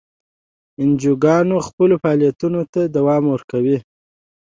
انجیوګانې خپلو فعالیتونو ته دوام ورکوي.